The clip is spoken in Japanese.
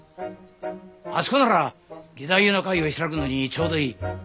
あそこなら義太夫の会を開くのにちょうどいい。